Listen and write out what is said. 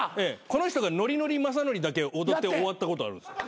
この人がのりのりまさのりだけ踊って終わったことあるんすよ。